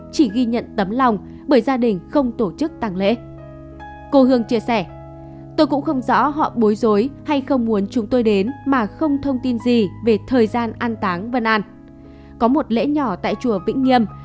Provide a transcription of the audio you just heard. chỉ ghi nhận tấm lòng bởi gia đình không tổ chức tặng lễ